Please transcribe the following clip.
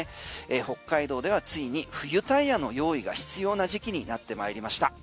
北海道ではついに冬タイヤの用意が必要な時期になってまいりました。